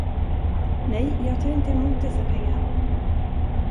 Nej, jag tar inte emot dessa pengar.